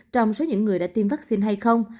trong số những người đã tiêm vaccine hay không